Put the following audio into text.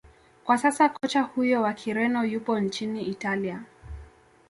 kwa sasa kocha huyo wa kireno yupo nchini italia